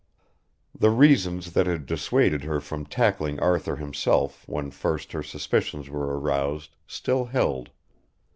The reasons that had dissuaded her from tackling Arthur himself when first her suspicions were aroused still held.